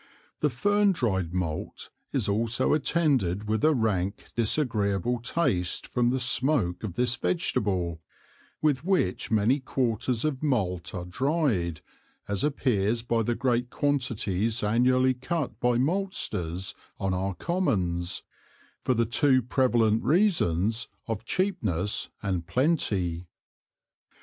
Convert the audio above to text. The Fern dryed Malt is also attended with a rank disagreeable Taste from the smoak of this Vegetable, with which many Quarters of Malt are dryed, as appears by the great Quantities annually cut by Malsters on our Commons, for the two prevalent Reasons of cheapness and plenty.